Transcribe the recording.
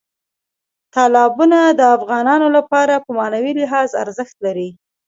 تالابونه د افغانانو لپاره په معنوي لحاظ ارزښت لري.